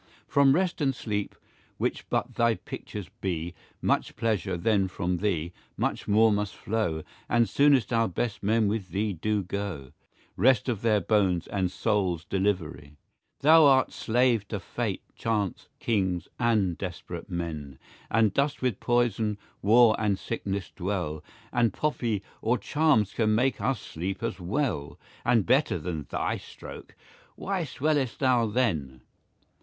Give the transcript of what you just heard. From rest and sleepe, which but thy pictures bee, 5 Much pleasure, then from thee, much more must flow, And soonest our best men with thee doe goe, Rest of their bones, and soules deliverie. Thou art slave to Fate, Chance, kings, and desperate men, And dost with poyson, warre, and sicknesse dwell, 10 And poppie, or charmes can make us sleepe as well, And better then thy stroake; why swell'st thou then?